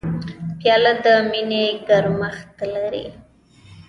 پیاله د مینې ګرمښت لري.